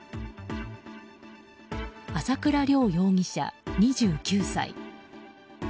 朝倉亮容疑者、２９歳。